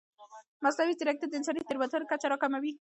مصنوعي ځیرکتیا د انساني تېروتنو کچه راکموي.